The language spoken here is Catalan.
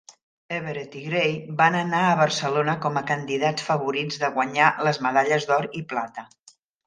Everett i Gray van anar a Barcelona com a candidats favorits de guanyar les medalles d'or i plata.